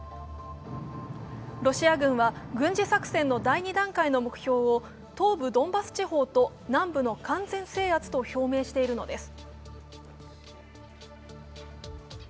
ロシア軍は軍事作戦の第２段階の目標を東部ドンバス地方と南部の完全制圧と表明しているのです。